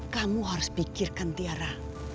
kamu harus pikirkan tiara